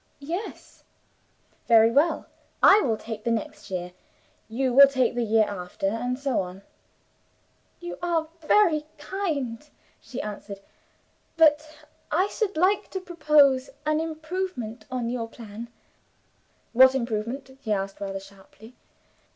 "Yes." "Very well. I will take the next year. You will take the year after. And so on." "You are very kind," she answered "but I should like to propose an improvement on your plan." "What improvement?" he asked, rather sharply.